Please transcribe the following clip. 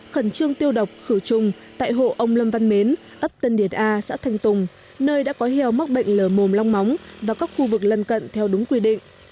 khẩn trương tiêu độc khử trùng tại hộ ông lâm văn mến ấp tân điển a xã thanh tùng nơi đã có heo mắc bệnh lở mồm long móng và các khu vực lân cận theo đúng quy định